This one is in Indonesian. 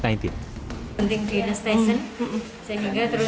gunting di inestesan sehingga terus rebutan gunting tadi